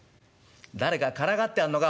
誰かからかってやんのか？